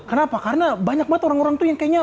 kenapa karena banyak banget orang orang tuh yang kayaknya